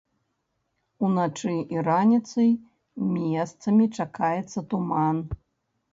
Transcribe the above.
Уначы і раніцай месцамі чакаецца туман.